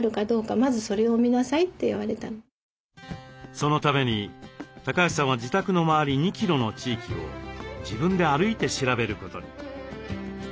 そのために橋さんは自宅の周り２キロの地域を自分で歩いて調べることに。